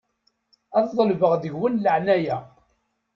Ad ḍelbeɣ deg-wen leεnaya.